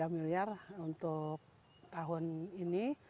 tiga puluh tiga miliar untuk tahun ini